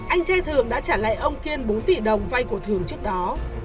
anh trai thường đã trả lại ông kiên bốn tỷ đồng vay của thường trước đó